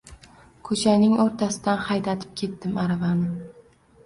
Ko‘chaning o‘rtasidan haydatib ketdim aravani.